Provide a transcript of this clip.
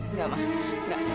nggak ma nggak